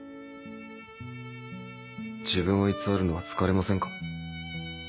自分を偽るのは疲れませんか？